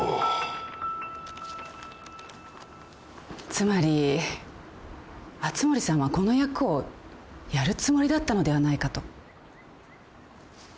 つまり熱護さんはこの役をやるつもりだったのではないかと。